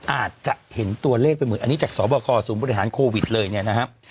อาจจะเห็นตัวเลขไปเหมือนอันนี้จากสอบคอศูนย์บริหารโควิดเลยเนี่ยนะครับ